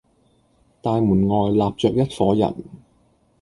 大門外立着一夥人，